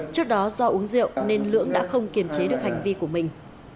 trước đó do uống rượu nên lưỡng đã không kiềm chế được hành vi của mình